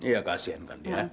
iya kasihan kan dia